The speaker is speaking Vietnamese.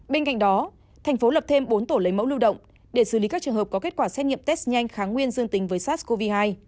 bên cạnh đó thành phố lập thêm bốn tổ lấy mẫu lưu động để xử lý các trường hợp có kết quả xét nghiệm test nhanh kháng nguyên dương tính với sars cov hai